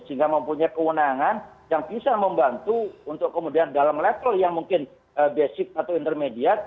sehingga mempunyai kewenangan yang bisa membantu untuk kemudian dalam level yang mungkin basic atau intermediate